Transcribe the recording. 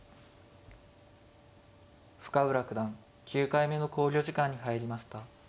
深浦九段９回目の考慮時間に入りました。